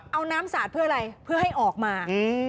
เอาน้ำสาดเพื่ออะไรเพื่อให้ออกมา